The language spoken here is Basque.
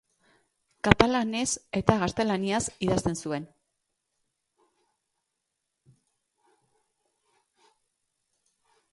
Katalanez eta gaztelaniaz idazten zuen.